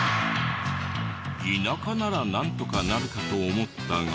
田舎ならなんとかなるかと思ったが。